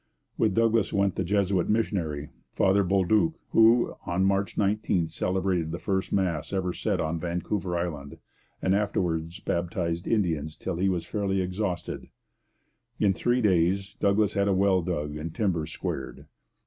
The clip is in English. With Douglas went the Jesuit missionary, Father Bolduc, who on March 19 celebrated the first Mass ever said on Vancouver Island, and afterwards baptized Indians till he was fairly exhausted. In three days Douglas had a well dug and timbers squared.